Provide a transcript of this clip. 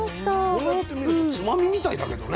こうやって見るとつまみみたいだけどね。